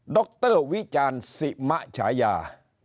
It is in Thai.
รวิจารณ์สิมะฉายา